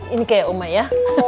ini kayak omak ya